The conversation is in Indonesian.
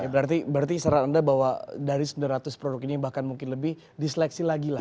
oke berarti saran anda bahwa dari sembilan ratus produk ini bahkan mungkin lebih diseleksi lagi lah